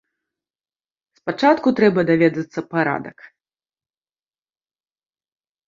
Спачатку трэба даведацца парадак.